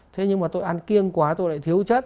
thế nhưng mà tôi ăn kiêng quá tôi lại thiếu chất